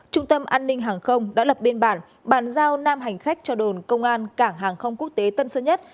trung tâm an ninh hàng không đã lập biên bản bàn giao năm hành khách cho đồn công an cảng hàng không quốc tế tân sơn nhất